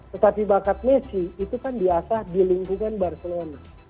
tetapi bakat messi itu kan biasa di lingkungan barcelona